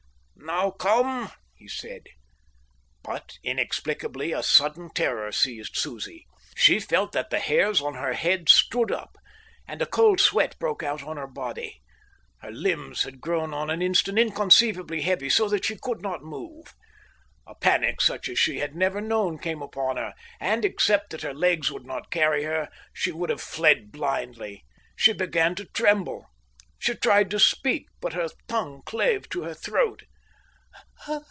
"Now come," he said. But, inexplicably, a sudden terror seized Susie. She felt that the hairs of her head stood up, and a cold sweat broke out on her body. Her limbs had grown on an instant inconceivably heavy so that she could not move. A panic such as she had never known came upon her, and, except that her legs would not carry her, she would have fled blindly. She began to tremble. She tried to speak, but her tongue clave to her throat.